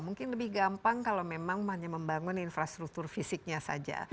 mungkin lebih gampang kalau memang hanya membangun infrastruktur fisiknya saja